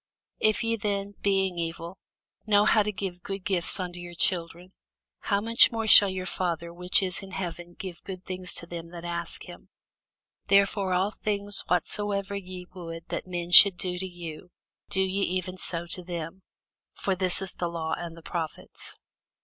If ye then, being evil, know how to give good gifts unto your children, how much more shall your Father which is in heaven give good things to them that ask him? Therefore all things whatsoever ye would that men should do to you, do ye even so to them: for this is the law and the prophets.